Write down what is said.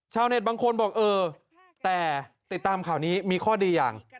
บางคนบอกเออแต่ติดตามข่าวนี้มีข้อดีอย่าง